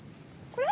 これ？